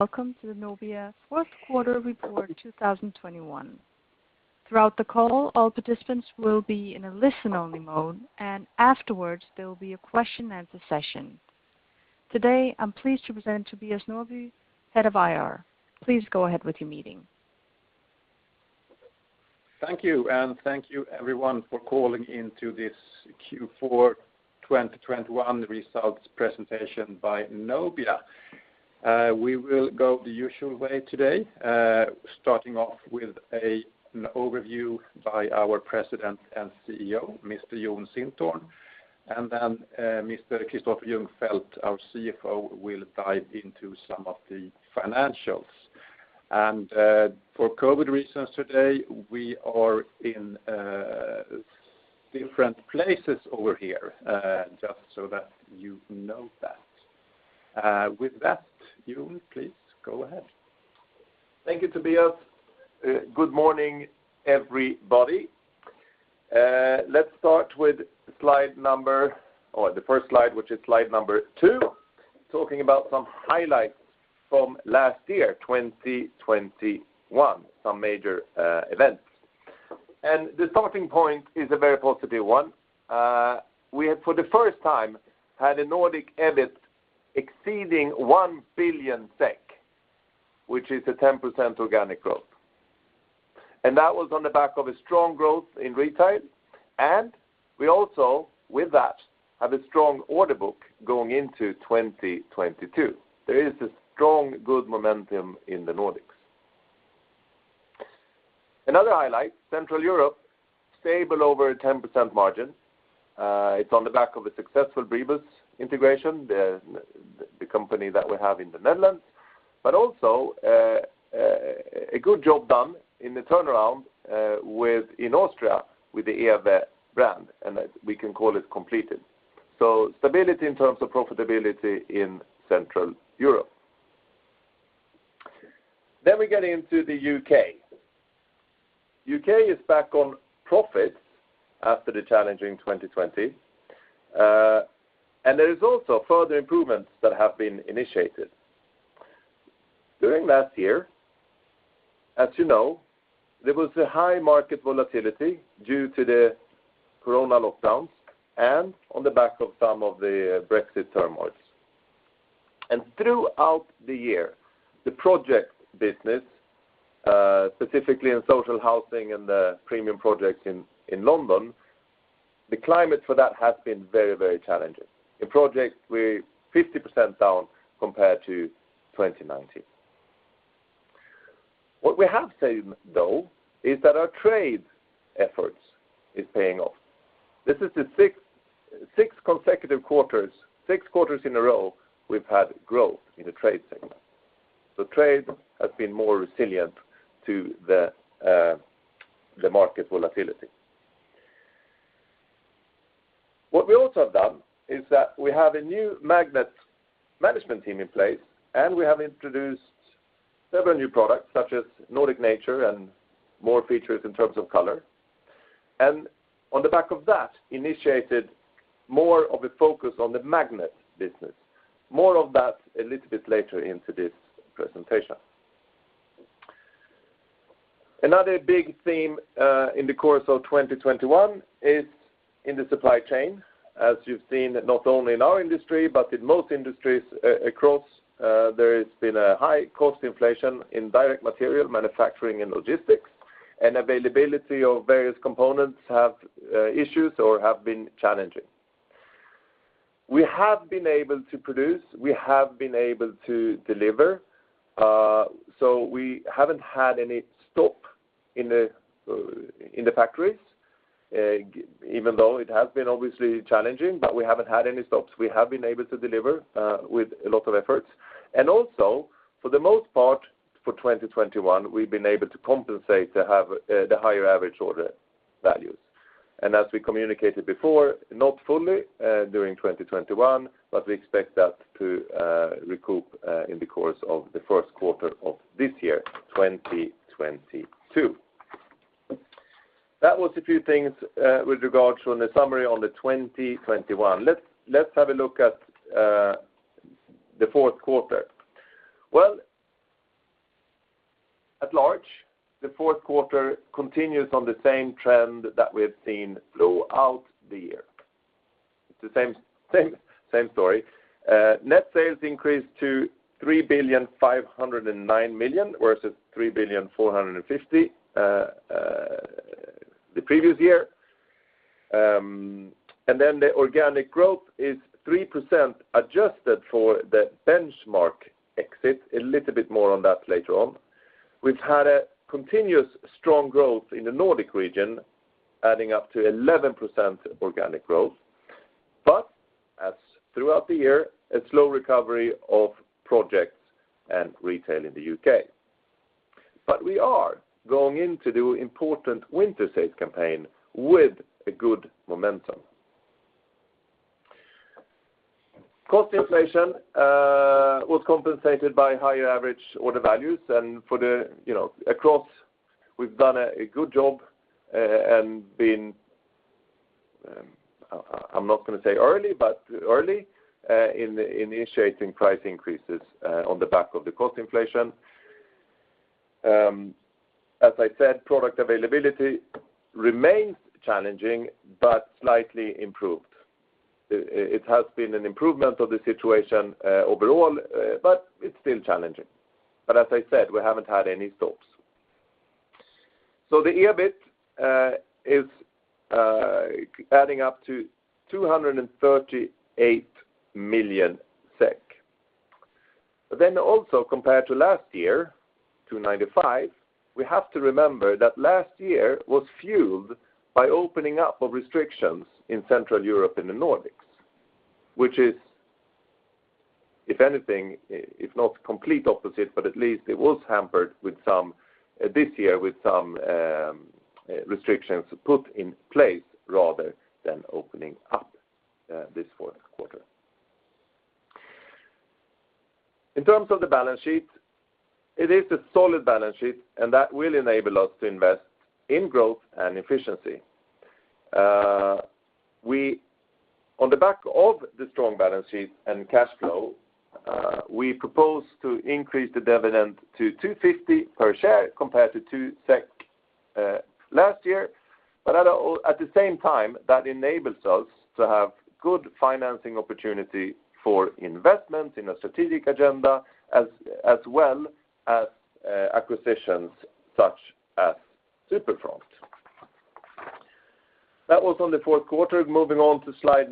Welcome to the Nobia Q4 report 2021. Throughout the call, all participants will be in a listen-only mode, and afterwards, there will be a question-answer session. Today, I'm pleased to present Tobias Norrby, Head of IR. Please go ahead with your meeting. Thank you. Thank you everyone for calling into this Q4 2021 results presentation by Nobia. We will go the usual way today, starting off with an overview by our President and CEO, Mr. Jon Sintorn. Then Mr. Kristoffer Ljungfelt [CFO & EVP] (Nobia), will dive into some of the financials. For COVID reasons today, we are in different places over here, just so that you know that. With that, Jon, please go ahead. Thank you, Tobias Norrby. Good morning, everybody. Let's start with the first slide, which is slide number two, talking about some highlights from last year, 2021, some major events. The starting point is a very positive one. We have, for the first time, had a Nordic EBIT exceeding 1 billion SEK, which is 10% organic growth. That was on the back of a strong growth in retail, and we also with that have a strong order book going into 2022. There is a strong, good momentum in the Nordics. Another highlight, Central Europe, stable over 10% margin. It's on the back of a successful Bribus integration, the company that we have in the Netherlands, but also a good job done in the turnaround within Austria with the ewe brand, and we can call it completed. Stability in terms of profitability in Central Europe. We get into the U.K. U.K. is back on profit after the challenging 2020. There is also further improvements that have been initiated. During last year, as you know, there was a high market volatility due to the corona lockdowns and on the back of some of the Brexit turmoils. Throughout the year, the project business specifically in social housing and the premium projects in London, the climate for that has been very, very challenging. In projects, we're 50% down compared to 2019. What we have seen, though, is that our trade efforts is paying off. This is the sixth consecutive quarter, Q6 in a row we've had growth in the trade segment. Trade has been more resilient to the market volatility. What we also have done is that we have a new Magnet management team in place, and we have introduced several new products such as Nordic Nature and more features in terms of color. On the back of that, we have initiated more of a focus on the Magnet business. More of that a little bit later into this presentation. Another big theme in the course of 2021 is in the supply chain. As you've seen, not only in our industry, but in most industries across, there has been a high cost inflation in direct material manufacturing and logistics, and availability of various components have issues or have been challenging. We have been able to produce, we have been able to deliver, so we haven't had any stop in the factories, even though it has been obviously challenging, but we haven't had any stops. We have been able to deliver with a lot of efforts. Also for the most part, for 2021, we've been able to compensate to have the higher average order values. As we communicated before, not fully during 2021, but we expect that to recoup in the course of the Q1 of this year, 2022. That was a few things with regards to the summary on 2021. Let's have a look at the Q4. Well, at large, the Q4 continues on the same trend that we have seen throughout the year. It's the same story. Net sales increased to 3,509 million versus 3,450 million the previous year. The organic growth is 3% adjusted for the Benchmarx exit, a little bit more on that later on. We've had continuous strong growth in the Nordic region, adding up to 11% organic growth, as throughout the year, a slow recovery of projects and retail in the U.K. We are going into the important winter sales campaign with a good momentum. Cost inflation was compensated by higher average order values. For the, you know, across, we've done a good job and been. I'm not gonna say early, but early in initiating price increases on the back of the cost inflation. As I said, product availability remains challenging, but slightly improved. It has been an improvement of the situation overall, but it's still challenging. As I said, we haven't had any stops. The EBIT is adding up to 238 million SEK. Then also compared to last year, 295 million, we have to remember that last year was fueled by opening up of restrictions in Central Europe and the Nordics, which is... If anything, if not complete opposite, but at least it was hampered this year with some restrictions put in place rather than opening up, this Q4. In terms of the balance sheet, it is a solid balance sheet, and that will enable us to invest in growth and efficiency. On the back of the strong balance sheet and cash flow, we propose to increase the dividend to SEK 2.50per share compared to 2 SEK last year. At the same time, that enables us to have good financing opportunity for investment in a strategic agenda as well as acquisitions such as Superfront. That was on the Q4. Moving on to slide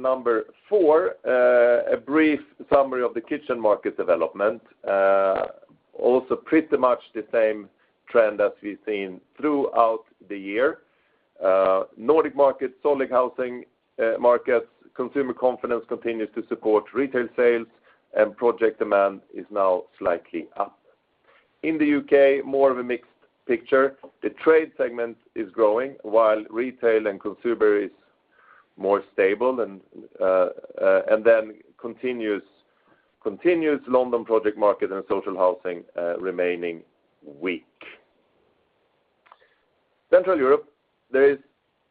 four, a brief summary of the kitchen market development. Also pretty much the same trend as we've seen throughout the year. Nordic market, solid housing markets, consumer confidence continues to support retail sales, and project demand is now slightly up. In the U.K., more of a mixed picture. The trade segment is growing, while retail and consumer is more stable and then continues London project market and social housing remaining weak. Central Europe, there is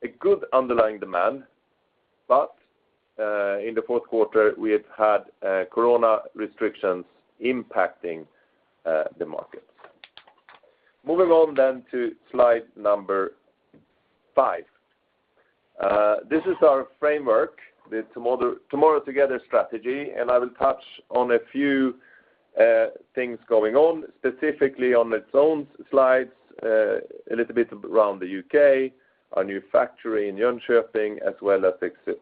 a good underlying demand, but in the Q4, we have had corona restrictions impacting the markets. Moving on to slide number five. This is our framework, the Tomorrow Together strategy, and I will touch on a few things going on, specifically on its own slides, a little bit around the U.K., our new factory in Jönköping, as well as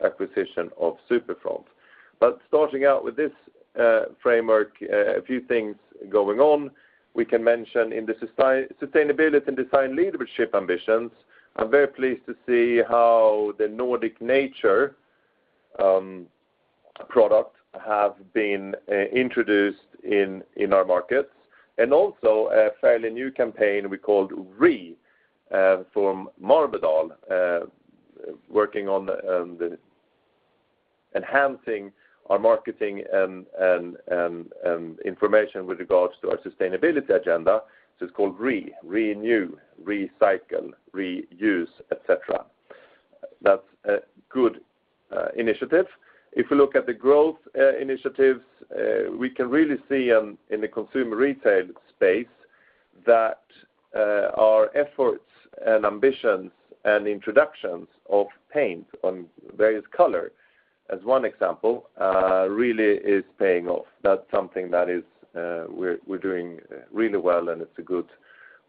acquisition of Superfront. Starting out with this framework, a few things going on, we can mention in the sustainability and design leadership ambitions, I'm very pleased to see how the Nordic Nature product have been introduced in our markets. Also a fairly new campaign we called RE:NEW from Marbodal, working on the enhancing our marketing and information with regards to our sustainability agenda. It's called RE:NEW: renew, recycle, reuse, et cetera. That's a good initiative. If we look at the growth initiatives, we can really see in the consumer retail space that our efforts and ambitions and introductions of paint on various color, as one example, really is paying off. That's something that is, we're doing really well, and it's a good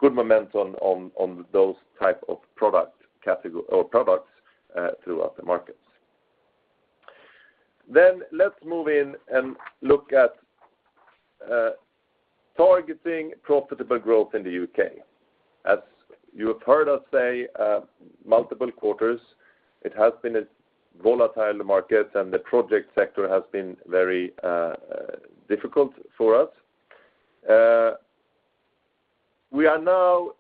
momentum on those type of products throughout the markets. Let's move in and look at targeting profitable growth in the UK. As you have heard us say multiple quarters, it has been a volatile market, and the project sector has been very difficult for us. We are now,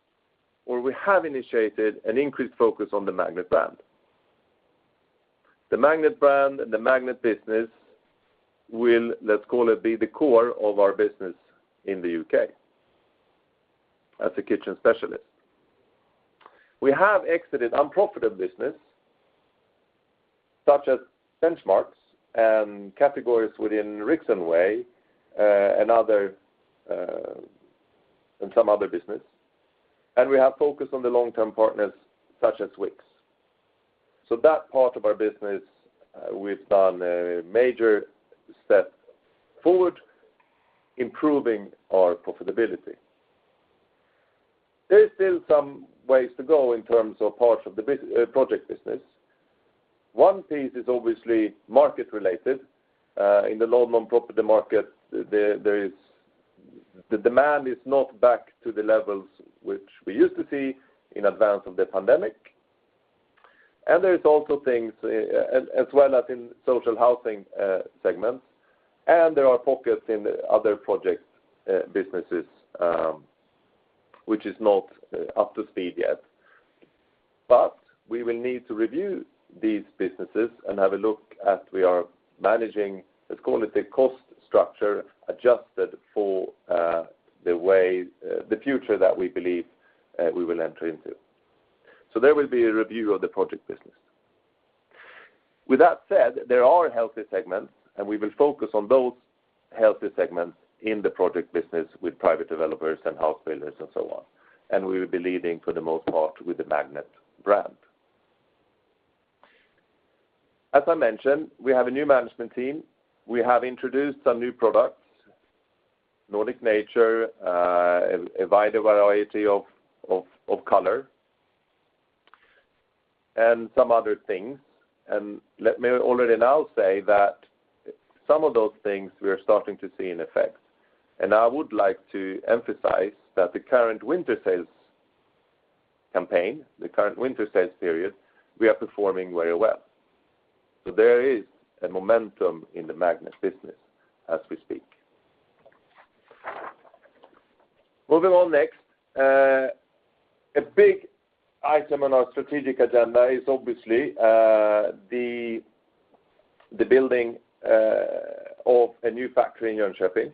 or we have initiated an increased focus on the Magnet brand. The Magnet brand and the Magnet business will, let's call it, be the core of our business in the UK as a kitchen specialist. We have exited unprofitable business, such as Benchmarx and categories within Rixonway Kitchens and some other business. We have focused on the long-term partners such as Wickes. That part of our business, we've done a major step forward, improving our profitability. There is still some ways to go in terms of parts of the project business. One piece is obviously market-related. In the London property market, the demand is not back to the levels which we used to see in advance of the pandemic. There is also things, as well as in social housing segment. There are pockets in other project businesses which is not up to speed yet. We will need to review these businesses and have a look at how we are managing, let's call it, the cost structure adjusted for the way the future that we believe we will enter into. There will be a review of the project business. With that said, there are healthy segments, and we will focus on those healthy segments in the project business with private developers and house builders and so on. We will be leading for the most part with the Magnet brand. As I mentioned, we have a new management team. We have introduced some new products, Nordic Nature, a wide variety of color, and some other things. Let me already now say that some of those things we are starting to see in effect. I would like to emphasize that the current winter sales campaign, the current winter sales period, we are performing very well. There is a momentum in the Magnet business as we speak. Moving on next, a big item on our strategic agenda is obviously the building of a new factory in Jönköping.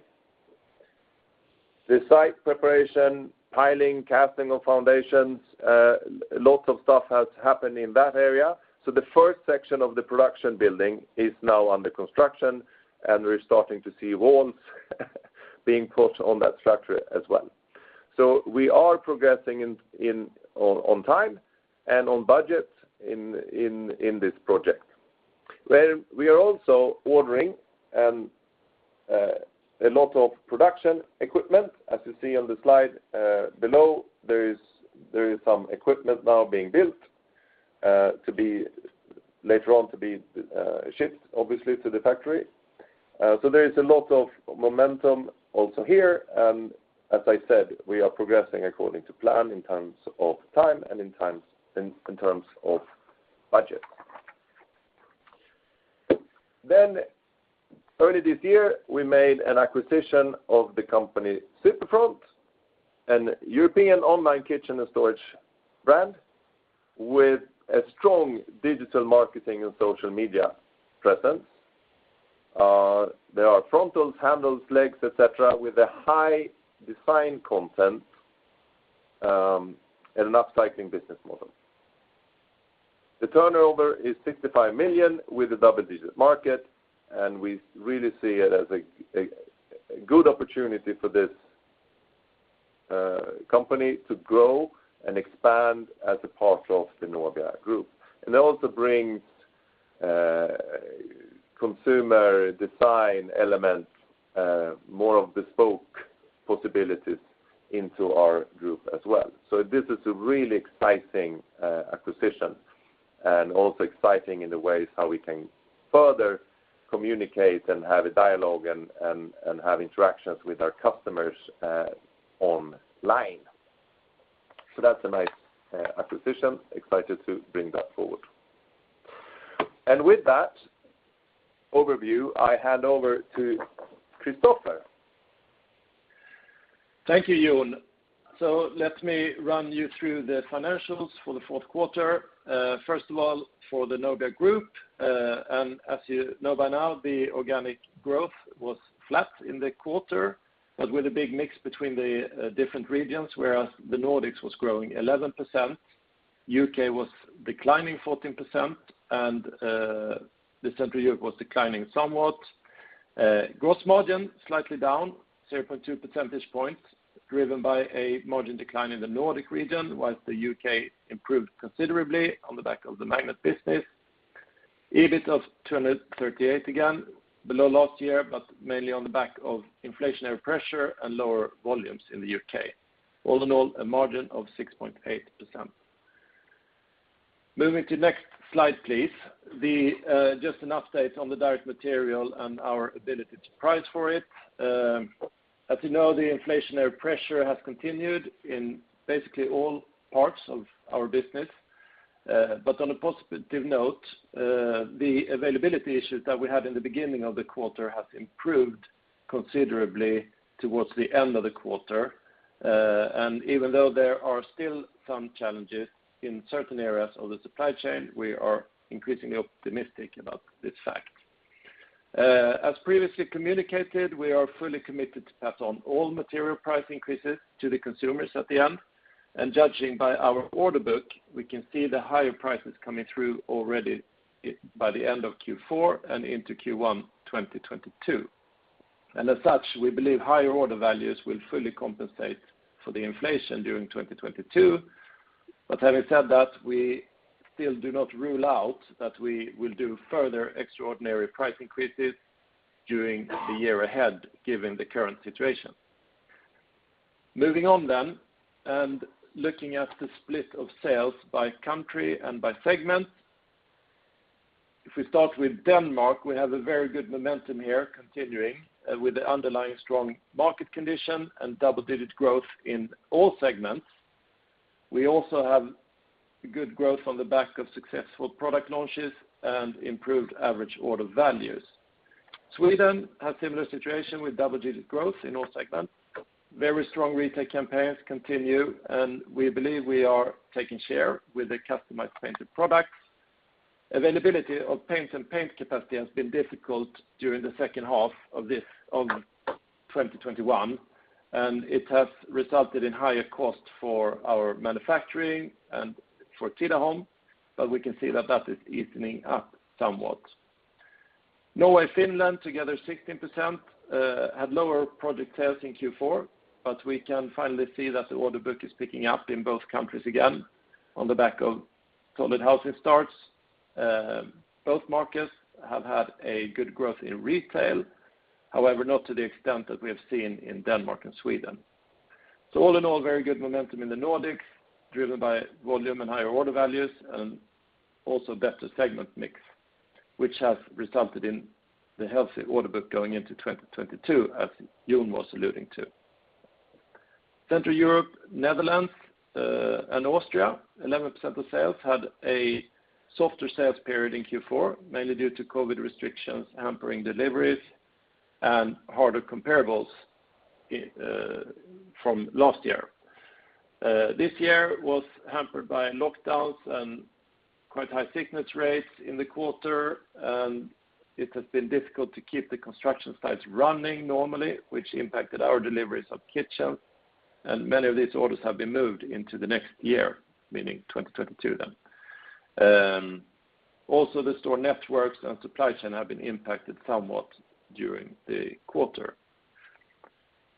The site preparation, piling, casting of foundations, lots of stuff has happened in that area. The first section of the production building is now under construction, and we're starting to see walls being put on that structure as well. We are progressing on time and on budget in this project. Well, we are also ordering a lot of production equipment. As you see on the slide below, there is some equipment now being built to be shipped later on obviously to the factory. There is a lot of momentum also here, and as I said, we are progressing according to plan in terms of time and in terms of budget. Early this year, we made an acquisition of the company Superfront, a European online kitchen and storage brand with a strong digital marketing and social media presence. There are frontals, handles, legs, et cetera, with a high design content, and an upcycling business model. The turnover is 65 million with a double-digit margin, and we really see it as a good opportunity for this company to grow and expand as a part of the Nobia group. That also brings consumer design elements, more of bespoke possibilities into our group as well. This is a really exciting acquisition, and also exciting in the ways how we can further communicate and have a dialogue and have interactions with our customers online. That's a nice acquisition. Excited to bring that forward. With that overview, I hand over to Kristoffer. Thank you, Jon. Let me run you through the financials for the Q4, first of all, for the Nobia group. As you know by now, the organic growth was flat in the quarter, but with a big mix between the different regions, whereas the Nordics was growing 11%, U.K. was declining 14%, and the Central Europe was declining somewhat. Gross margin slightly down 0.2 percentage points, driven by a margin decline in the Nordic region, while the U.K. improved considerably on the back of the Magnet business. EBIT of 238, again below last year, but mainly on the back of inflationary pressure and lower volumes in the U.K. All in all, a margin of 6.8%. Moving to next slide, please. Then just an update on the direct material and our ability to price for it. As you know, the inflationary pressure has continued in basically all parts of our business. But on a positive note, the availability issues that we had in the beginning of the quarter have improved considerably towards the end of the quarter. Even though there are still some challenges in certain areas of the supply chain, we are increasingly optimistic about this fact. As previously communicated, we are fully committed to pass on all material price increases to the consumers at the end. Judging by our order book, we can see the higher prices coming through already by the end of Q4 and into Q1 2022. As such, we believe higher order values will fully compensate for the inflation during 2022. Having said that, we still do not rule out that we will do further extraordinary price increases during the year ahead, given the current situation. Moving on then, and looking at the split of sales by country and by segment. If we start with Denmark, we have a very good momentum here continuing, with the underlying strong market condition and double-digit growth in all segments. We also have good growth on the back of successful product launches and improved average order values. Sweden has similar situation with double-digit growth in all segments. Very strong retail campaigns continue, and we believe we are taking share with the customized painted products. Availability of paints and paint capacity has been difficult during the H2 of 2021, and it has resulted in higher costs for our manufacturing and for Tidaholm, but we can see that that is evening up somewhat. Norway, Finland, together 16%, had lower project sales in Q4, but we can finally see that the order book is picking up in both countries again on the back of solid housing starts. Both markets have had a good growth in retail, however, not to the extent that we have seen in Denmark and Sweden. All in all, very good momentum in the Nordics driven by volume and higher order values and also better segment mix, which has resulted in the healthy order book going into 2022 as Jon was alluding to. Central Europe, Netherlands, and Austria, 11% of sales had a softer sales period in Q4, mainly due to COVID restrictions hampering deliveries and harder comparables from last year. This year was hampered by lockdowns and quite high sickness rates in the quarter, and it has been difficult to keep the construction sites running normally, which impacted our deliveries of kitchens, and many of these orders have been moved into the next year, meaning 2022 then. Also the store networks and supply chain have been impacted somewhat during the quarter.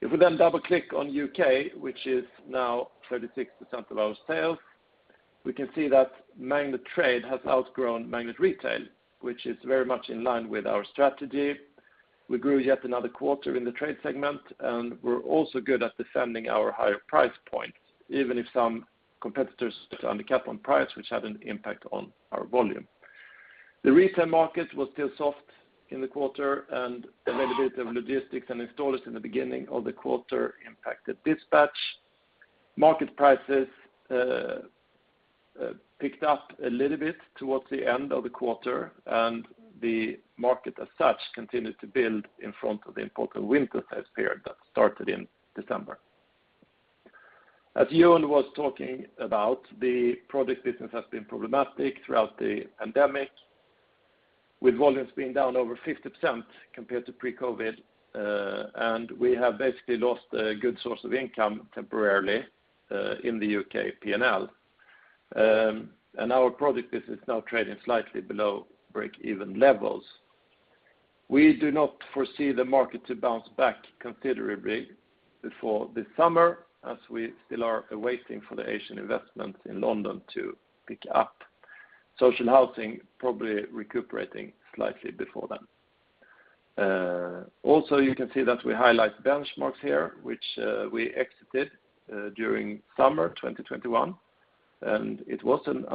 If we then double-click on U.K., which is now 36% of our sales, we can see that Magnet Trade has outgrown Magnet Retail, which is very much in line with our strategy. We grew yet another quarter in the trade segment, and we're also good at defending our higher price points, even if some competitors undercap on price, which had an impact on our volume. The retail market was still soft in the quarter, and availability of logistics and installers in the beginning of the quarter impacted dispatch. Market prices picked up a little bit towards the end of the quarter, and the market as such continued to build in front of the important winter sales period that started in December. As Jon was talking about, the product business has been problematic throughout the pandemic, with volumes being down over 50% compared to pre-COVID, and we have basically lost a good source of income temporarily in the U.K. P&L. Our product business is now trading slightly below break-even levels. We do not foresee the market to bounce back considerably before this summer, as we still are waiting for the Asian investment in London to pick up. Social housing probably recuperating slightly before then. Also, you can see that we highlight Benchmarx here, which we exited during summer 2021, and it was an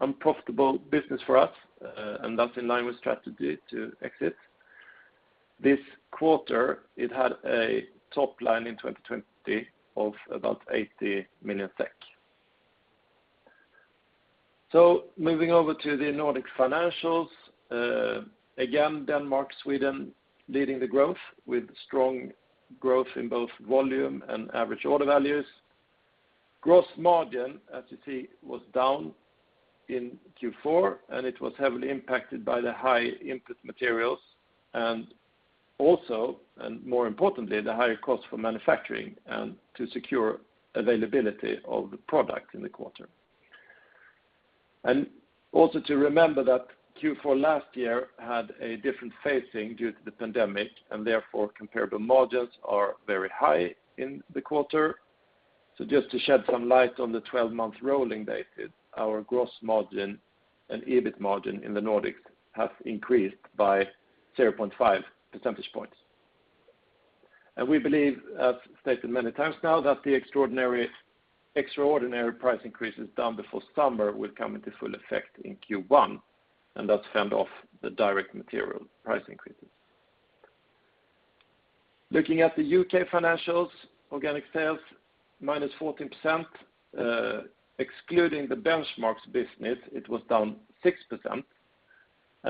unprofitable business for us, and that's in line with strategy to exit. This quarter, it had a top line in 2020 of about 80 million SEK. Moving over to the Nordic financials, again, Denmark, Sweden leading the growth with strong growth in both volume and average order values. Gross margin, as you see, was down in Q4, and it was heavily impacted by the high input materials and, more importantly, the higher cost for manufacturing and to secure availability of the product in the quarter. Remember that Q4 last year had a different phasing due to the pandemic, and therefore comparable margins are very high in the quarter. Just to shed some light on the twelve-month rolling basis, our gross margin and EBIT margin in the Nordics have increased by 0.5 percentage points. We believe, as stated many times now, that the extraordinary price increases done before summer will come into full effect in Q1, and thus fend off the direct material price increases. Looking at the U.K. financials, organic sales -14%, excluding the Benchmarx business, it was down 6%.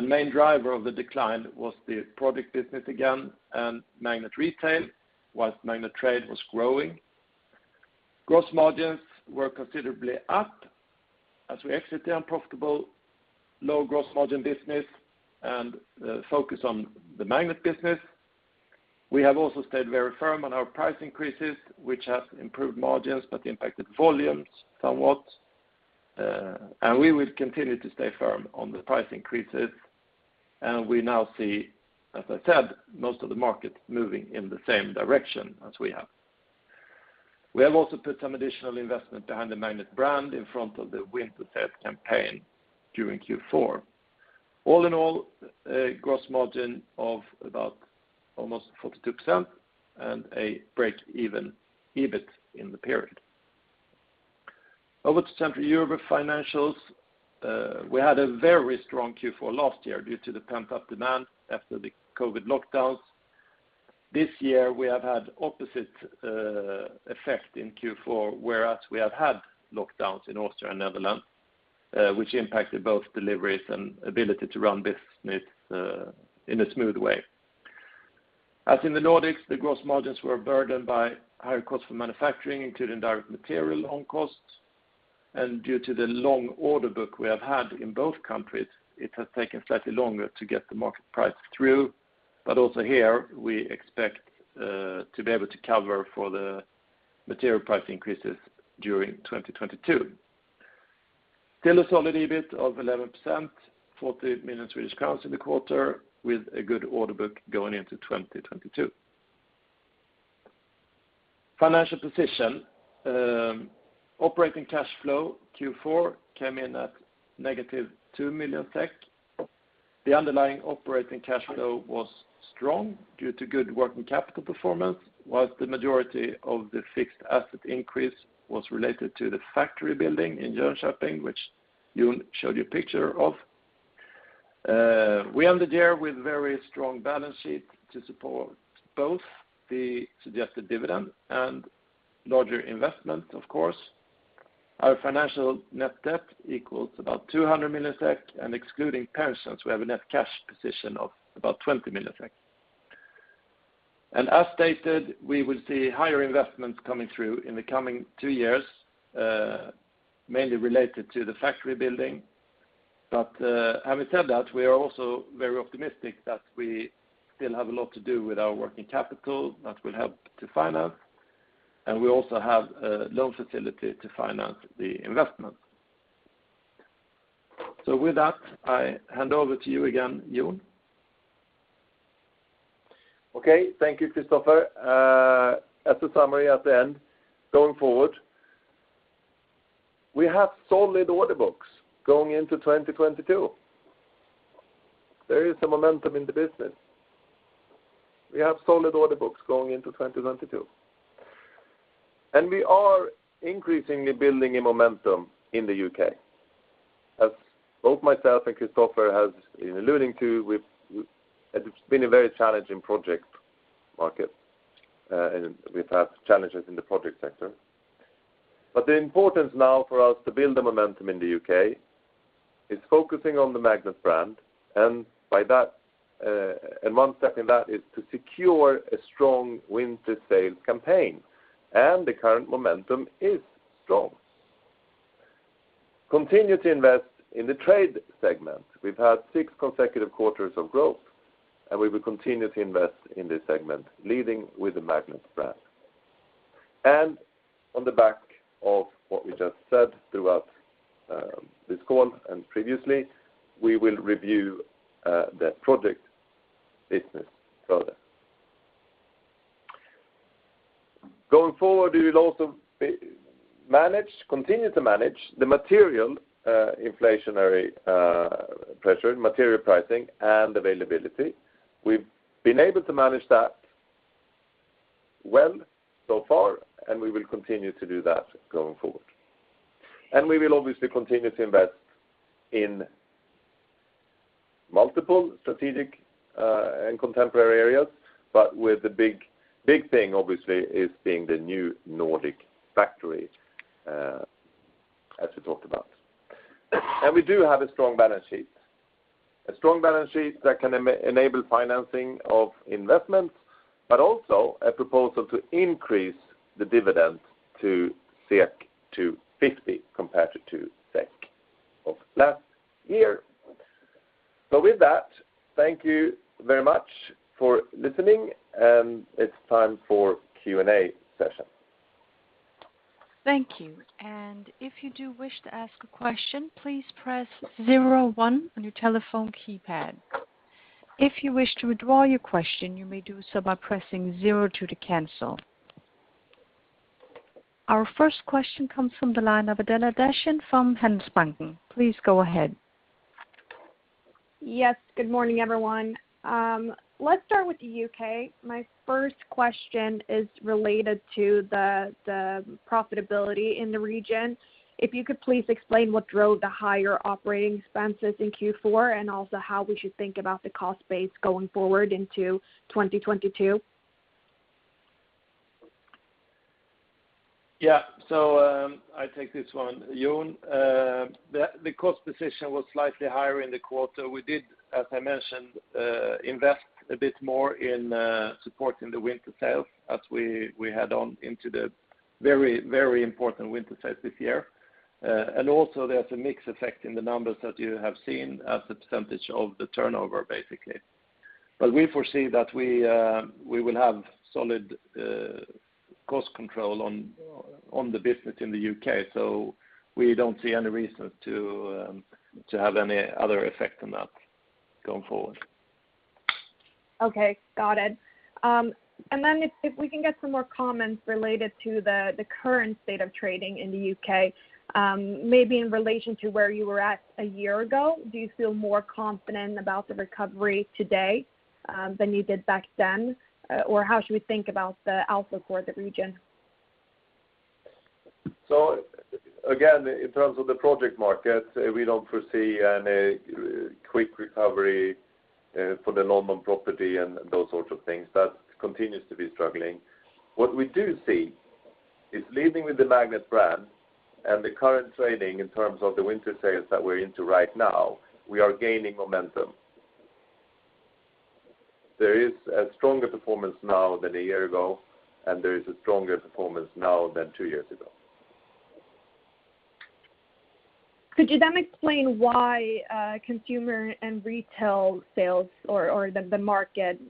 Main driver of the decline was the product business again and Magnet Retail, while Magnet Trade was growing. Gross margins were considerably up as we exit the unprofitable low gross margin business and focus on the Magnet business. We have also stayed very firm on our price increases, which have improved margins but impacted volumes somewhat. We will continue to stay firm on the price increases. We now see, as I said, most of the market moving in the same direction as we have. We have also put some additional investment behind the Magnet brand in front of the winter sales campaign during Q4. All in all, a gross margin of about almost 42% and a break-even EBIT in the period. Over to Central Europe financials. We had a very strong Q4 last year due to the pent-up demand after the COVID lockdowns. This year, we have had opposite effect in Q4, whereas we have had lockdowns in Austria and Netherlands, which impacted both deliveries and ability to run business in a smooth way. As in the Nordics, the gross margins were burdened by higher cost for manufacturing, including direct material and costs. Due to the long order book we have had in both countries, it has taken slightly longer to get the market price through. Also here, we expect to be able to cover for the material price increases during 2022. Still a solid EBIT of 11%, 40 million Swedish crowns in the quarter with a good order book going into 2022. Financial position, operating cash flow Q4 came in at negative 2 million SEK. The underlying operating cash flow was strong due to good working capital performance, while the majority of the fixed asset increase was related to the factory building in Jönköping, which Jon showed you a picture of. We ended the year with very strong balance sheet to support both the suggested dividend and larger investment, of course. Our financial net debt equals about 200 million SEK, and excluding pensions, we have a net cash position of about 20 million SEK. As stated, we will see higher investments coming through in the coming 2 years, mainly related to the factory building. Having said that, we are also very optimistic that we still have a lot to do with our working capital that will help to finance. We also have a loan facility to finance the investment. With that, I hand over to you again, Jon. Okay. Thank you, Kristoffer. As a summary at the end, going forward, we have solid order books going into 2022. There is a momentum in the business. We are increasingly building a momentum in the U.K. As both myself and Kristoffer has been alluding to, it's been a very challenging project market, and we've had challenges in the project sector. The importance now for us to build the momentum in the U.K. is focusing on the Magnet brand, and by that, one step in that is to secure a strong winter sales campaign, and the current momentum is strong. Continue to invest in the trade segment. We've had six consecutive quarters of growth, and we will continue to invest in this segment, leading with the Magnet brand. On the back of what we just said throughout this call and previously, we will review the project business further. Going forward, we will also manage, continue to manage the material inflationary pressure, material pricing and availability. We've been able to manage that well so far, and we will continue to do that going forward. We will obviously continue to invest in multiple strategic and contemporary areas, but with the big thing obviously is being the new Nordic factory as we talked about. We do have a strong balance sheet. A strong balance sheet that can enable financing of investments, but also a proposal to increase the dividend to 250 compared to SEK 2 of last year. With that, thank you very much for listening, and it's time for Q&A session. Our first question comes from the line of Adela Dashian from Handelsbanken. Please go ahead. Yes, good morning, everyone. Let's start with the U.K. My first question is related to the profitability in the region. If you could please explain what drove the higher operating expenses in Q4 and also how we should think about the cost base going forward into 2022? Yeah. I take this one, Jon. The cost position was slightly higher in the quarter. We did, as I mentioned, invest a bit more in supporting the winter sales as we head on into the very important winter sales this year. Also there's a mix effect in the numbers that you have seen as a percentage of the turnover, basically. We foresee that we will have solid cost control on the business in the U.K., so we don't see any reason to have any other effect on that going forward. Okay. Got it. If we can get some more comments related to the current state of trading in the U.K., maybe in relation to where you were at a year ago, do you feel more confident about the recovery today than you did back then? How should we think about the outlook for the region? Again, in terms of the project market, we don't foresee any quick recovery for the London property and those sorts of things. That continues to be struggling. What we do see We're leading with the Magnet brand and the current trading in terms of the winter sales that we're into right now, we are gaining momentum. There is a stronger performance now than a year ago, and there is a stronger performance now than two years ago. Could you then explain why consumer and retail sales or the market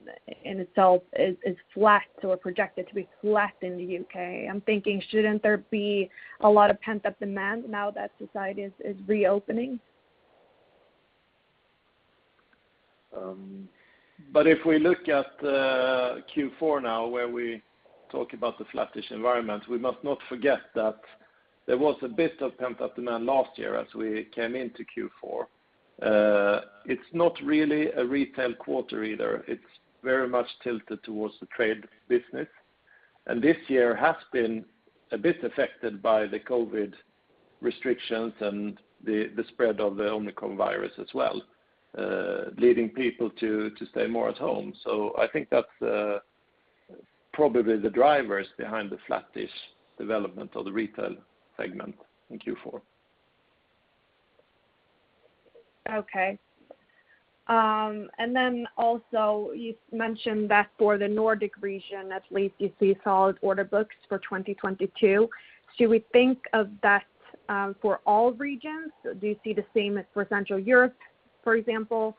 in itself is flat or projected to be flat in the U.K.? I'm thinking, shouldn't there be a lot of pent-up demand now that society is reopening? If we look at Q4 now, where we talk about the flattish environment, we must not forget that there was a bit of pent-up demand last year as we came into Q4. It's not really a retail quarter either. It's very much tilted towards the trade business. This year has been a bit affected by the COVID restrictions and the spread of the Omicron virus as well, leading people to stay more at home. I think that's probably the drivers behind the flattish development of the retail segment in Q4. You mentioned that for the Nordic region, at least you see solid order books for 2022. Should we think of that for all regions? Do you see the same as for Central Europe, for example,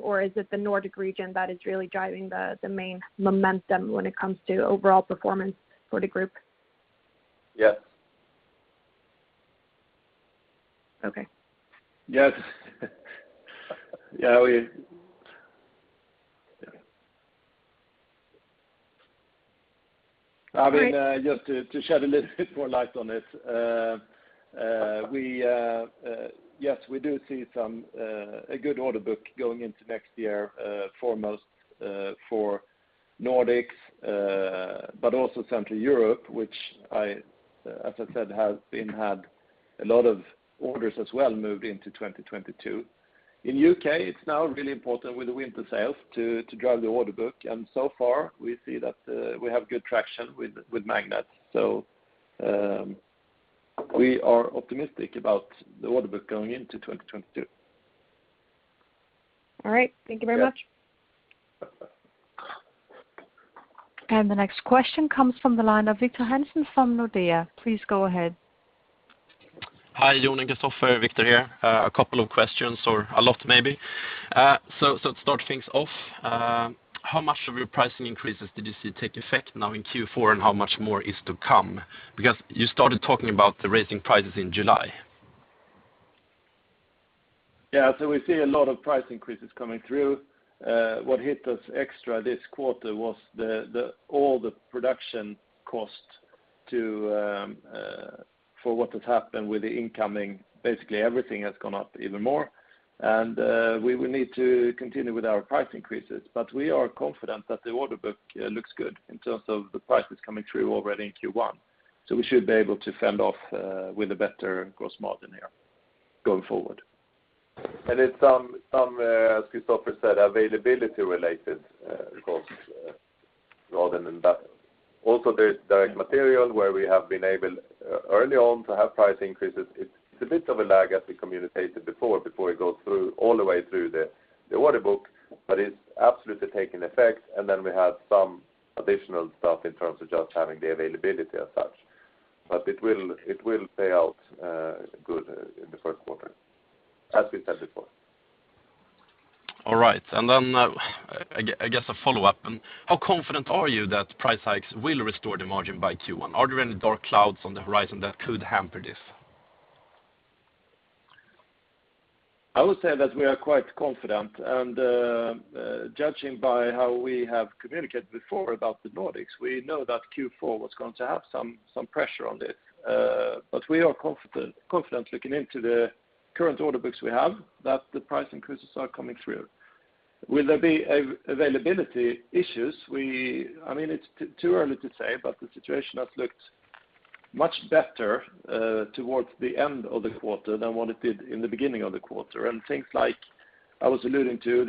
or is it the Nordic region that is really driving the main momentum when it comes to overall performance for the group? Yes. Okay. Yes. Yeah. All right. I mean, just to shed a little bit more light on this. Yes, we do see a good order book going into next year, foremost for Nordics, but also Central Europe, which, as I said, has had a lot of orders as well moved into 2022. In U.K., it's now really important with the winter sales to drive the order book. So far, we see that we have good traction with Magnet. We are optimistic about the order book going into 2022. All right. Thank you very much. Yes. The next question comes from the line of Victor Hansen from Nordea. Please go ahead. Hi, Jon and Kristoffer. Victor here. A couple of questions or a lot maybe. To start things off, how much of your pricing increases did you see take effect now in Q4, and how much more is to come? Because you started talking about the raising prices in July. Yeah. We see a lot of price increases coming through. What hit us extra this quarter was all the production costs for what has happened with the incoming. Basically, everything has gone up even more. We will need to continue with our price increases, but we are confident that the order book looks good in terms of the prices coming through already in Q1. We should be able to fend off with a better gross margin here going forward. It's some as Kristoffer said, availability-related costs rather than that. Also, there's direct material where we have been able early on to have price increases. It's a bit of a lag as we communicated before it goes through all the way through the order book, but it's absolutely taking effect. Then we have some additional stuff in terms of just having the availability as such. It will play out good in the Q1, as we said before. All right. I guess a follow-up. How confident are you that price hikes will restore the margin by Q1? Are there any dark clouds on the horizon that could hamper this? I would say that we are quite confident. Judging by how we have communicated before about the Nordics, we know that Q4 was going to have some pressure on it. But we are confident looking into the current order books we have that the price increases are coming through. Will there be availability issues? I mean, it's too early to say, but the situation has looked much better towards the end of the quarter than what it did in the beginning of the quarter. Things like I was alluding to,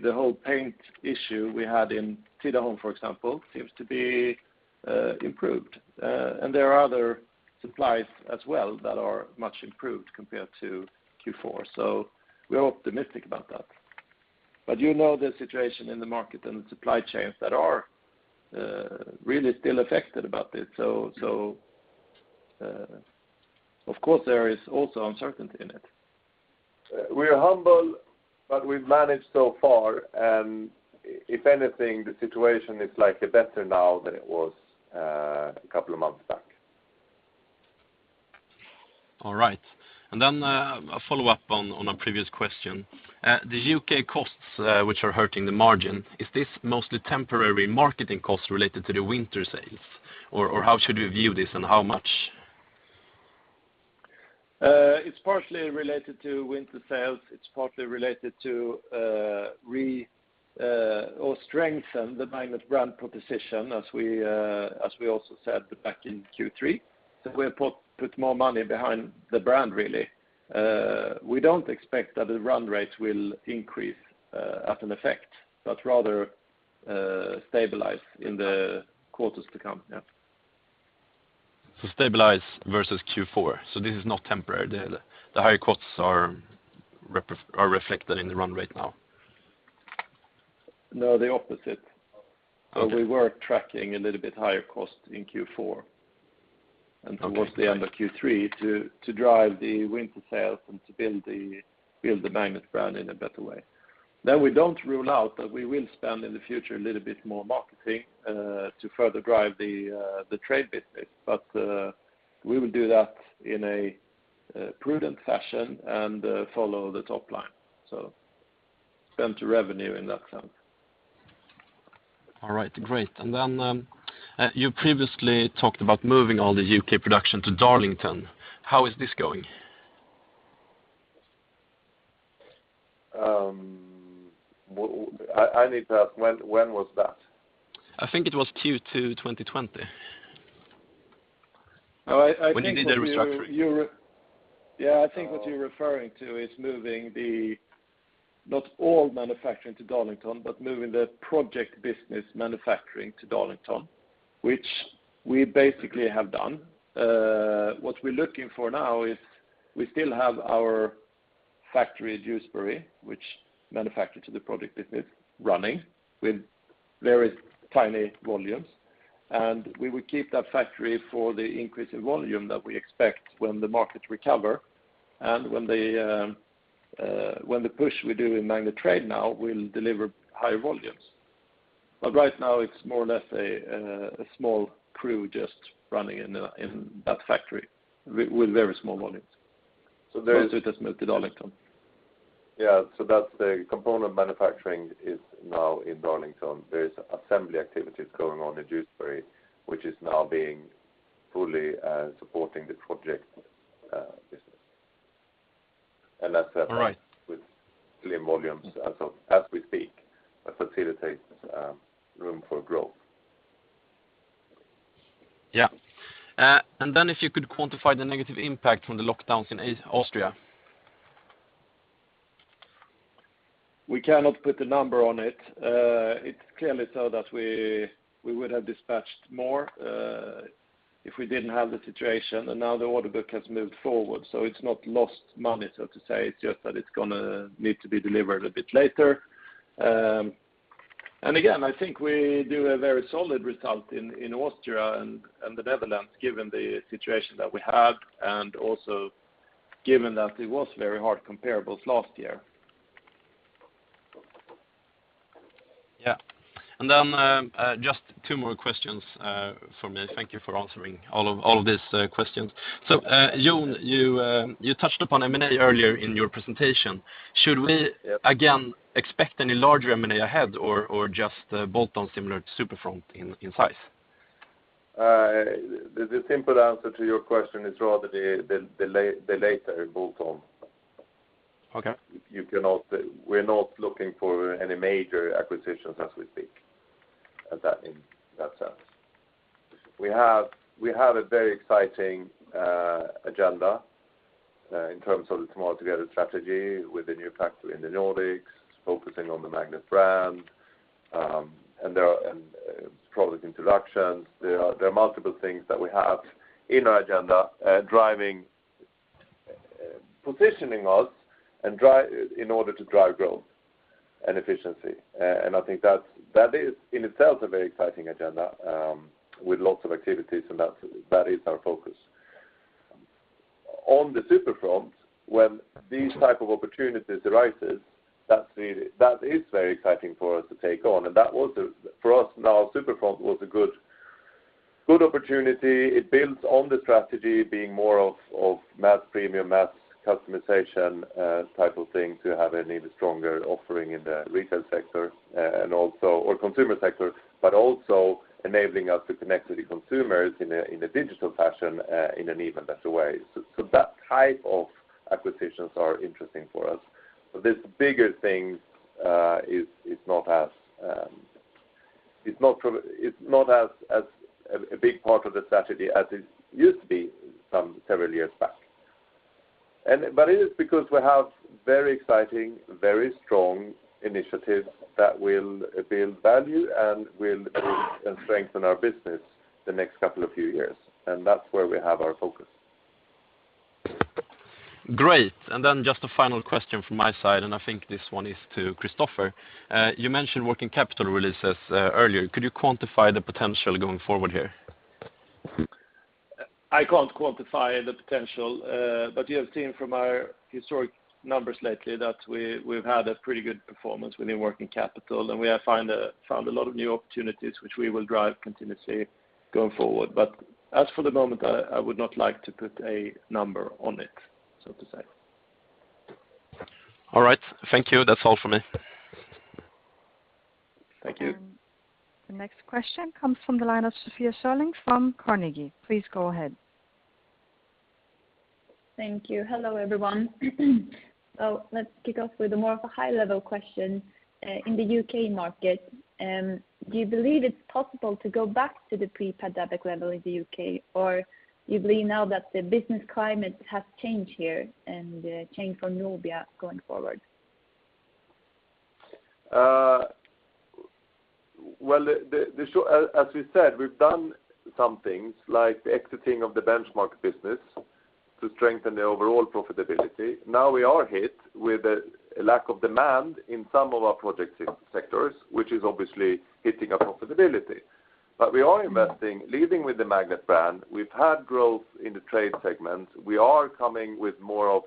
the whole paint issue we had in Tidaholm, for example, seems to be improved. There are other supplies as well that are much improved compared to Q4. We are optimistic about that. You know the situation in the market and the supply chains that are really still affected about it. Of course, there is also uncertainty in it. We are humble, but we've managed so far. If anything, the situation is likely better now than it was, a couple of months back. All right. A follow-up on a previous question. The U.K. costs, which are hurting the margin, is this mostly temporary marketing costs related to the winter sales? Or, how should we view this and how much? It's partially related to winter sales. It's partly related to strengthen the Magnet brand proposition as we also said back in Q3. We have put more money behind the brand, really. We don't expect that the run rates will increase as an effect, but rather stabilize in the quarters to come. Yeah. Stabilize versus Q4, so this is not temporary? The higher costs are reflected in the run rate now? No, the opposite. Okay. We were tracking a little bit higher cost in Q4. Okay Towards the end of Q3 to drive the winter sales and to build the Magnet brand in a better way. Now we don't rule out that we will spend in the future a little bit more marketing to further drive the trade business. We will do that in a prudent fashion and follow the top line, so spend to revenue in that sense. All right. Great. You previously talked about moving all the U.K. production to Darlington. How is this going? I need to ask when was that? I think it was Q2 2020. No, I think what you're When you did the restructuring. Yeah, I think what you're referring to is moving the, not all manufacturing to Darlington, but moving the project business manufacturing to Darlington, which we basically have done. What we're looking for now is we still have our factory at Dewsbury, which manufactures the product business, running with very tiny volumes, and we will keep that factory for the increase in volume that we expect when the markets recover and when the push we do in Magnet Trade now will deliver higher volumes. Right now it's more or less a small crew just running in that factory with very small volumes. So there is- The rest has moved to Darlington. Yeah, that's the component manufacturing is now in Darlington. There is assembly activities going on in Dewsbury, which is now being fully supporting the project business. That's happening- Right with slim volumes as we speak, but facilitates room for growth. If you could quantify the negative impact from the lockdowns in Austria. We cannot put a number on it. It's clearly so that we would have dispatched more if we didn't have the situation, and now the order book has moved forward, so it's not lost money, so to say. Again, I think we do a very solid result in Austria and the Netherlands given the situation that we had, and also given that it was very hard comparables last year. Yeah. Just two more questions from me. Thank you for answering all of these questions. Jon, you touched upon M&A earlier in your presentation. Should we again expect any larger M&A ahead or just a bolt-on similar to Superfront in size? The simple answer to your question is rather the later bolt-on. Okay. We're not looking for any major acquisitions as we speak at that, in that sense. We have a very exciting agenda in terms of the Tomorrow Together strategy with the new factory in the Nordics, focusing on the Magnet brand, and there are product introductions. There are multiple things that we have in our agenda, driving positioning us and in order to drive growth and efficiency. I think that is in itself a very exciting agenda with lots of activities, and that is our focus. On the Superfront, when these type of opportunities arises, that's really that is very exciting for us to take on. That was a, for us now, Superfront was a good opportunity. It builds on the strategy being more of mass premium, mass customization type of thing to have an even stronger offering in the retail sector or consumer sector, but also enabling us to connect with the consumers in a digital fashion in an even better way. So that type of acquisitions are interesting for us. So this bigger thing is not as a big part of the strategy as it used to be some several years back. It is because we have very exciting, very strong initiatives that will build value and will build and strengthen our business the next couple of few years, and that's where we have our focus. Great. Just a final question from my side, and I think this one is to Kristoffer. You mentioned working capital releases, earlier. Could you quantify the potential going forward here? I can't quantify the potential, but you have seen from our historic numbers lately that we've had a pretty good performance within working capital, and we have found a lot of new opportunities which we will drive continuously going forward. As for the moment, I would not like to put a number on it, so to say. All right. Thank you. That's all for me. Thank you. The next question comes from the line of Sofia Sörling from Carnegie. Please go ahead. Thank you. Hello, everyone. Let's kick off with a more of a high level question. In the U.K. market, do you believe it's possible to go back to the pre-pandemic level in the U.K.? Or you believe now that the business climate has changed here and, changed for Nobia going forward? As we said, we've done some things like exiting the Benchmarx business to strengthen the overall profitability. Now we are hit with a lack of demand in some of our project sectors, which is obviously hitting our profitability. We are investing, leading with the Magnet brand. We've had growth in the trade segment. We are coming with more of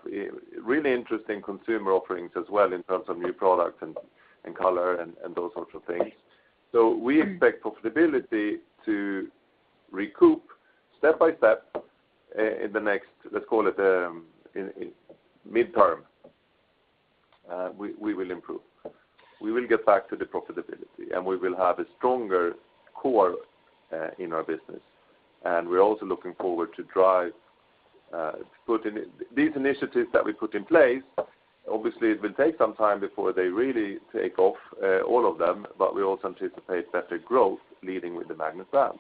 really interesting consumer offerings as well in terms of new product and color and those sorts of things. We expect profitability to recoup step by step in the next, let's call it, in the midterm. We will improve. We will get back to the profitability, and we will have a stronger core in our business. We're also looking forward to drive to put in. These initiatives that we put in place, obviously it will take some time before they really take off, all of them, but we also anticipate better growth leading with the Magnet brand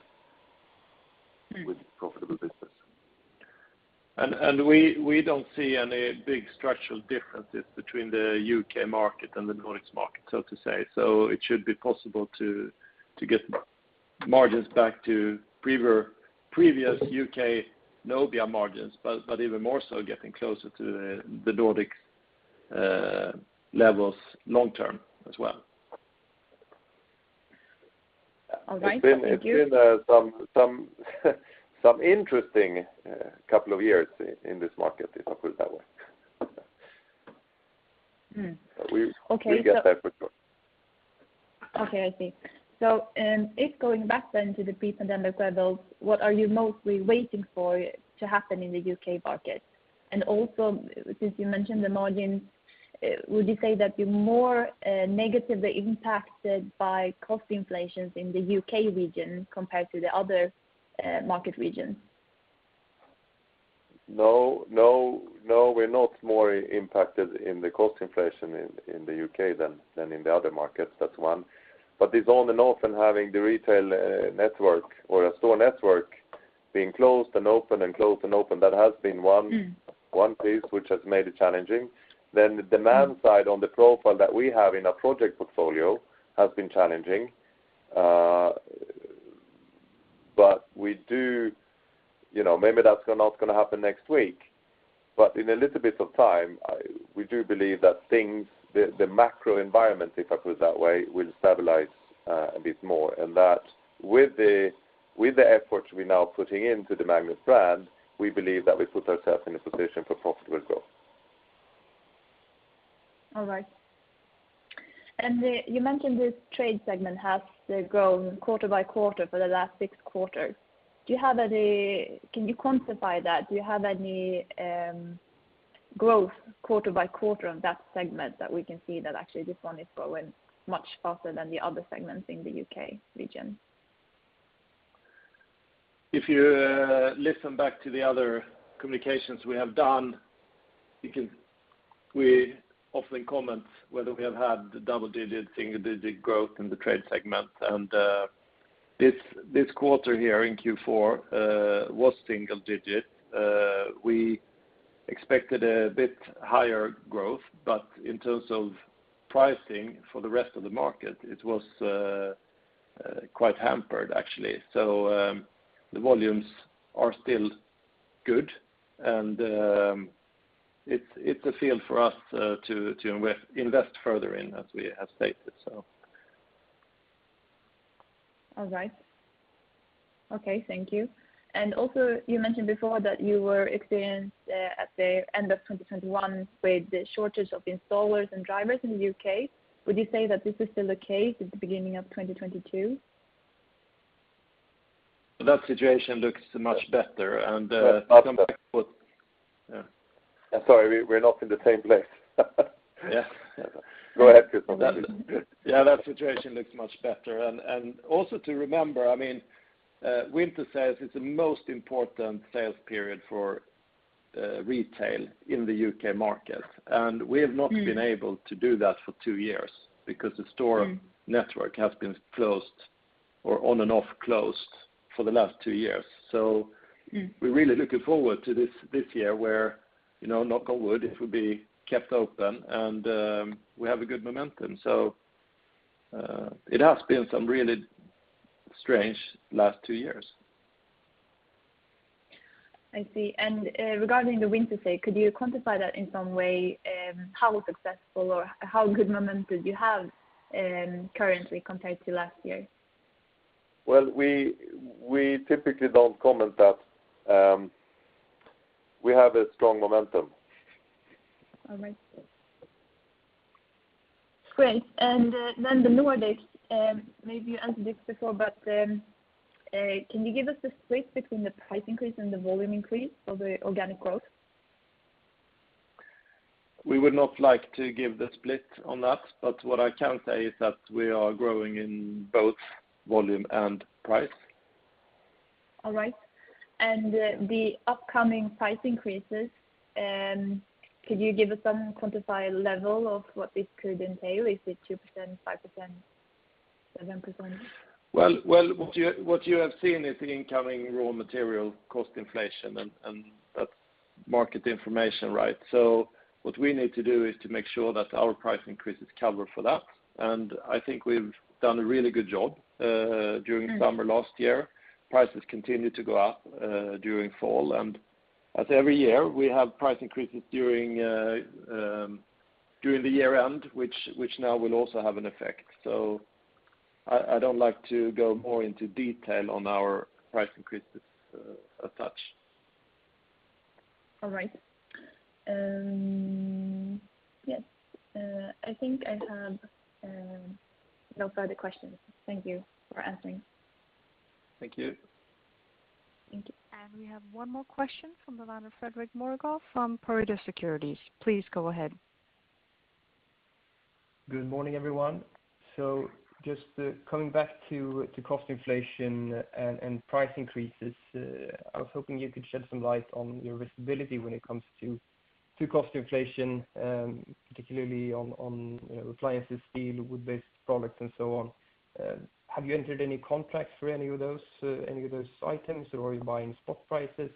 with profitable business. We don't see any big structural differences between the U.K. market and the Nordics market, so to say. It should be possible to get margins back to previous U.K. Nobia margins, but even more so getting closer to the Nordic levels long term as well. All right. Thank you. It's been some interesting couple of years in this market, if I put it that way. Mm. Okay, so- We, we'll get there for sure. Okay, I see. If going back then to the pre-pandemic levels, what are you mostly waiting for to happen in the U.K. market? Also, since you mentioned the margins, would you say that you're more negatively impacted by cost inflations in the U.K. region compared to the other market regions? No, no, we're not more impacted in the cost inflation in the U.K. than in the other markets. That's one. It's on and off and having the retail network or a store network being closed and open and closed and open, that has been one- Mm. One piece which has made it challenging. The demand side on the profile that we have in our project portfolio has been challenging. But we do. You know, maybe that's not gonna happen next week, but in a little bit of time, we do believe that things, the macro environment, if I put it that way, will stabilize a bit more. That with the efforts we're now putting into the Magnet brand, we believe that we put ourselves in a position for profitable growth. All right. You mentioned the trade segment has grown quarter-by-quarter for the last 6 quarters. Can you quantify that? Do you have any growth quarter-by-quarter of that segment that we can see that actually this one is growing much faster than the other segments in the U.K. region? If you listen back to the other communications we have done, you can. We often comment whether we have had the double-digit, single-digit growth in the trade segment. This quarter here in Q4 was single-digit. We expected a bit higher growth, but in terms of pricing for the rest of the market, it was quite hampered actually. The volumes are still good, and it's a field for us to invest further in as we have stated. All right. Okay, thank you. Also, you mentioned before that you were experiencing at the end of 2021 with the shortage of installers and drivers in the U.K. Would you say that this is still the case at the beginning of 2022? That situation looks much better, and. Much better. Some people. Yeah. I'm sorry, we're not in the same place. Yeah. Go ahead, Kristoffer. That's good. Yeah, that situation looks much better. Also to remember, I mean, winter sales is the most important sales period for retail in the U.K. market. We have not- Mm. been able to do that for two years because the store. Mm. Network has been closed or on and off closed for the last two years. Mm. We're really looking forward to this year where, you know, knock on wood, it will be kept open and, we have a good momentum. It has been some really strange last two years. I see. Regarding the winter sale, could you quantify that in some way, how successful or how good momentum you have, currently compared to last year? Well, we typically don't comment that. We have a strong momentum. All right. Great. The Nordics, maybe you answered this before, but, can you give us the split between the price increase and the volume increase of the organic growth? We would not like to give the split on that, but what I can say is that we are growing in both volume and price. All right. The upcoming price increases, could you give us some quantified level of what this could entail? Is it 2%, 5%, 7%? Well, what you have seen is the incoming raw material cost inflation and that's market information, right? What we need to do is to make sure that our price increase covers that. I think we've done a really good job during the summer last year. Prices continued to go up during fall. As every year, we have price increases during the year-end, which now will also have an effect. I don't like to go more into detail on our price increases as such. All right. Yes, I think I have no further questions. Thank you for answering. Thank you. Thank you. We have one more question from the line of Fredrik Morgårdh from Pareto Securities. Please go ahead. Good morning, everyone. Just coming back to cost inflation and price increases, I was hoping you could shed some light on your visibility when it comes to cost inflation, particularly on, you know, appliances, steel, wood-based products, and so on. Have you entered any contracts for any of those items, or are you buying spot prices?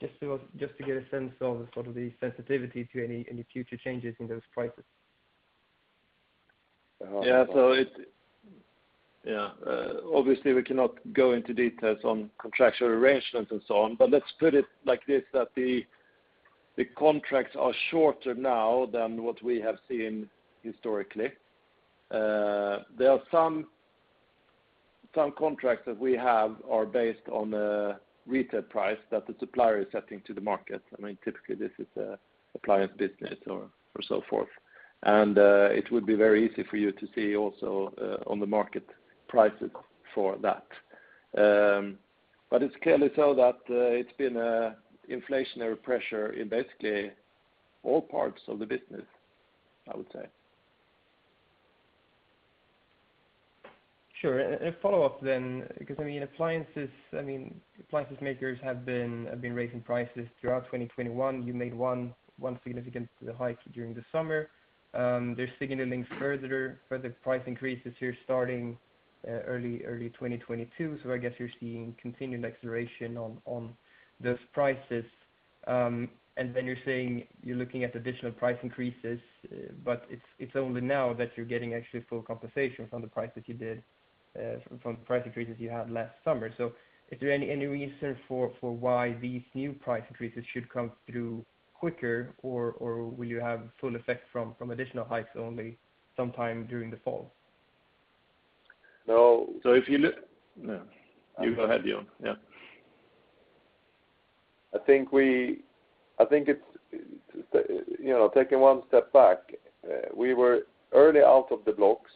Just to get a sense of sort of the sensitivity to any future changes in those prices. Obviously, we cannot go into details on contractual arrangements and so on, but let's put it like this, that the contracts are shorter now than what we have seen historically. There are some contracts that we have are based on retail price that the supplier is setting to the market. I mean, typically, this is appliance business or so forth. It would be very easy for you to see also on the market prices for that. But it's clearly so that it's been an inflationary pressure in basically all parts of the business, I would say. Sure. A follow-up, because I mean, appliances, I mean, appliances makers have been raising prices throughout 2021. You made one significant hike during the summer. They're signaling further price increases here starting early 2022. I guess you're seeing continued acceleration on those prices. You're saying you're looking at additional price increases, but it's only now that you're getting actually full compensation from the price increases you had last summer. Is there any reason for why these new price increases should come through quicker or will you have full effect from additional hikes only sometime during the fall? No. If you look. You go ahead, Jon. Yeah. I think it's, you know, taking one step back, we were early out of the blocks,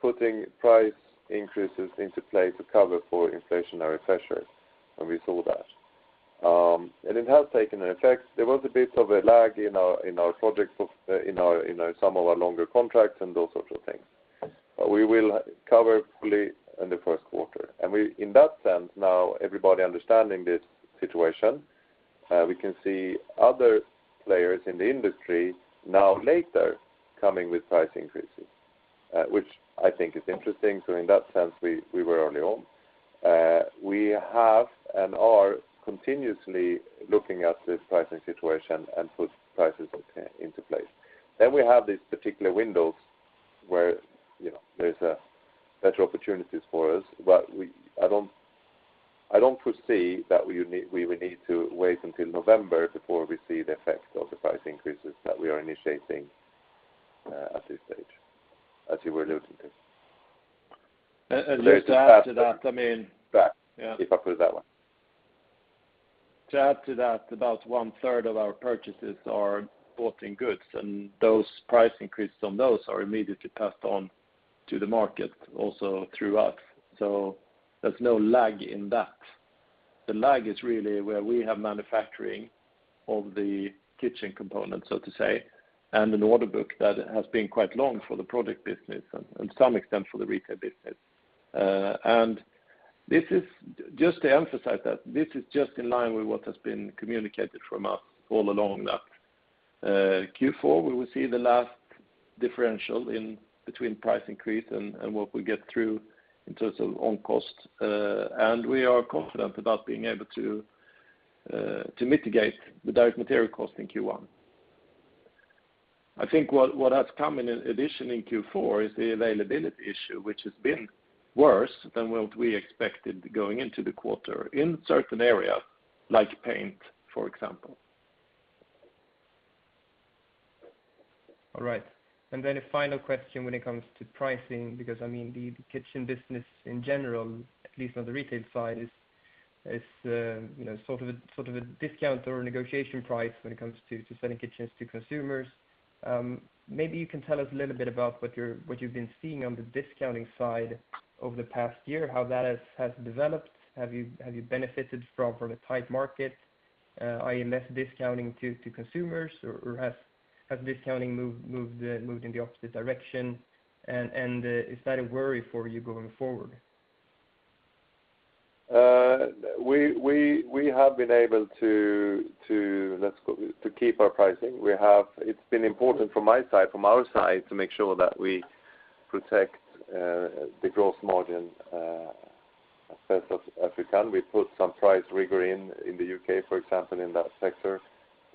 putting price increases into place to cover for inflationary pressures when we saw that. It has taken an effect. There was a bit of a lag in some of our longer contracts and those sorts of things. We will cover fully in the Q1. In that sense, now everybody understanding this situation, we can see other players in the industry now later coming with price increases, which I think is interesting. In that sense, we were early on. We have and are continuously looking at this pricing situation and put prices into place. We have these particular windows where, you know, there's better opportunities for us. I don't foresee that we will need to wait until November before we see the effect of the price increases that we are initiating at this stage, as you were alluding to. Just to add to that, I mean. If I put it that way. To add to that, about one-third of our purchases are bought in goods, and those price increases on those are immediately passed on to the market also through us. So there's no lag in that. The lag is really where we have manufacturing of the kitchen component, so to say, and an order book that has been quite long for the product business and some extent for the retail business. And this is just to emphasize that this is just in line with what has been communicated from us all along that Q4, we will see the last differential in between price increase and what we get through in terms of own cost. And we are confident about being able to to mitigate the direct material cost in Q1. I think what has come in addition in Q4 is the availability issue, which has been worse than what we expected going into the quarter in certain areas like paint, for example. All right. A final question when it comes to pricing, because I mean the kitchen business in general, at least on the retail side, is you know sort of a discount or negotiation price when it comes to selling kitchens to consumers. Maybe you can tell us a little bit about what you've been seeing on the discounting side over the past year, how that has developed. Have you benefited from a tight market, i.e. less discounting to consumers, or has discounting moved in the opposite direction? Is that a worry for you going forward? We have been able to, let's put it, to keep our pricing. It's been important from my side, from our side, to make sure that we protect the gross margin as best as we can. We put some pricing rigor in the U.K., for example, in that sector.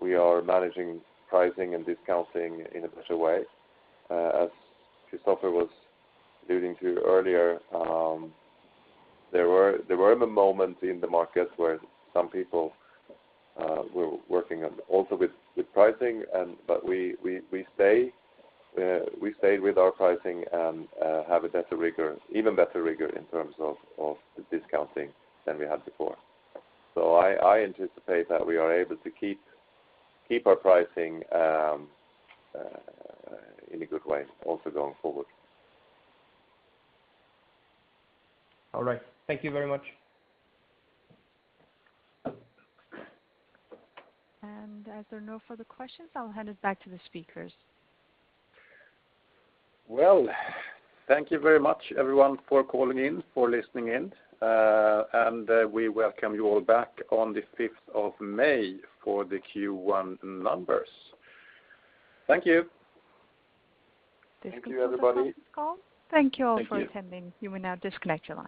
We are managing pricing and discounting in a better way. As Kristoffer was alluding to earlier, there were a moment in the market where some people were working also with pricing and, but we stayed with our pricing and have a better rigor, even better rigor in terms of the discounting than we had before. I anticipate that we are able to keep our pricing in a good way also going forward. All right. Thank you very much. As there are no further questions, I'll hand it back to the speakers. Well, thank you very much, everyone, for calling in, for listening in. We welcome you all back on the fifth of May for the Q1 numbers. Thank you. Thank you, everybody. Thank you all for attending. You may now disconnect your line.